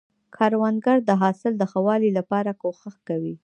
کروندګر د حاصل د ښه والي لپاره کوښښ کوي